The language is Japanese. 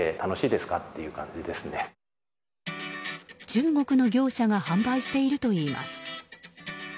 中国の業者が販売しているといいます。